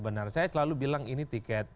benar saya selalu bilang ini tiket